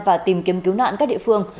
và tìm kiếm cứu nạn các địa phương